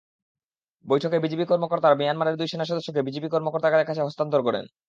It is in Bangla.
বৈঠকে বিজিবি কর্মকর্তারা মিয়ানমারের দুই সেনাসদস্যকে বিজিপি কর্মকর্তাদের কাছে হস্তান্তর করেন।